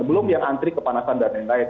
belum yang antri kepanasan dan lain lain